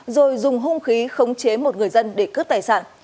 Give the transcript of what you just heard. rồi dùng hung khí khống chế một người dân để cướp tài sản